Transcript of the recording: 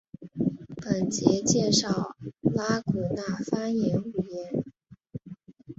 本节介绍拉祜纳方言语音。